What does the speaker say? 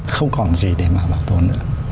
không còn gì để mà bảo tồn nữa